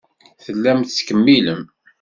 Tellam tettkemmilem.